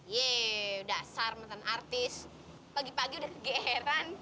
yeay dasar mantan artis pagi pagi udah kegeran